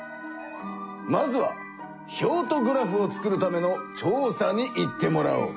まずは表とグラフを作るための調査に行ってもらおう！